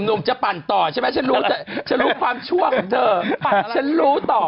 หนุ่มจะปั่นต่อใช่ไหมฉันรู้ความชั่วของเธอ